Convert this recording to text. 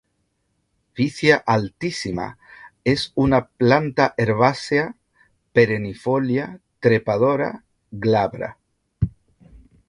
Vicia altissima es una planta herbácea perennifolia, trepadora, glabra.